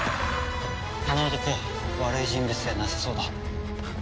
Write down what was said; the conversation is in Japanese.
あの男悪い人物ではなさそうだ。